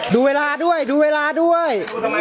ดูเวลาด้วยดูเวลาด้วย